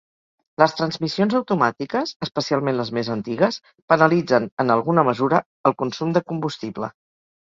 Les transmissions automàtiques, especialment les més antigues, penalitzen en alguna mesura el consum de combustible.